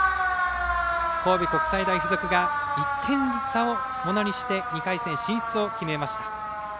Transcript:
神戸国際大付属が１点差をものにして２回戦進出を決めました。